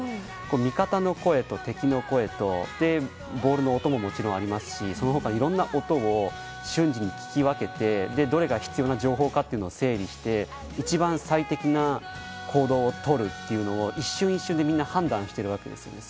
味方の声と敵の声とボールの音ももちろんありますしその他いろいろな音を瞬時に聞き分けてどれが必要な情報かというのを整理して一番最適な行動をとるというのを一瞬一瞬でみんな判断しているわけですね。